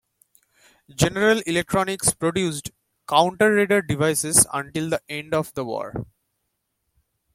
General Electronics produced counter-radar devices until the end of the War.